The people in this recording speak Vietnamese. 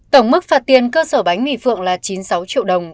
tổng mức phạt tiền cơ sở bánh mì phượng là chín mươi sáu triệu đồng